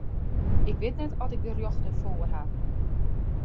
Ik wit net oft ik de rjochte foar haw.